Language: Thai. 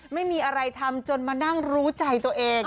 ไม่มีอะไรทำจนมานั่งรู้ใจตัวเอง